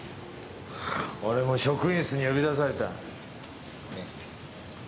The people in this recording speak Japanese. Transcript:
俺も職員室に呼び出された。